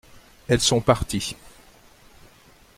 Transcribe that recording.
Elles sont parties.